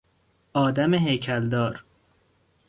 آدم هیکل دار